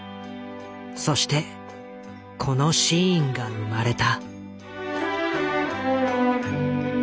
そしてこのシーンが生まれた。